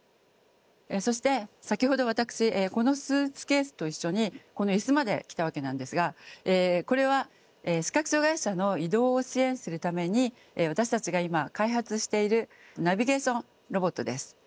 そして先ほど私このスーツケースと一緒にこの椅子まで来たわけなんですがこれは視覚障害者の移動を支援するために私たちが今開発しているナビゲーションロボットです。